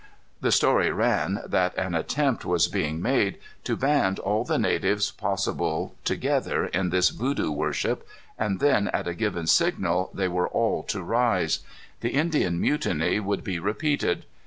The story ran that an attempt was being made to band all the natives possible together in this voodoo worship, and then at a given signal they were all to rise. The Indian Mutiny would be repeated.